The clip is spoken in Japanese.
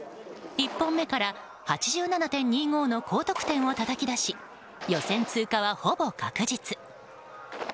１本目から８７．２５の高得点をたたき出し予選通過はほぼ確実。